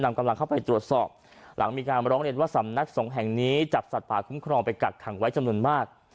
กำลังเข้าไปตรวจสอบหลังมีการร้องเรียนว่าสำนักสงฆ์แห่งนี้จับสัตว์ป่าคุ้มครองไปกักขังไว้จำนวนมาก